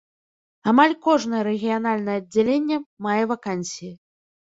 Амаль кожнае рэгіянальнае аддзяленне мае вакансіі.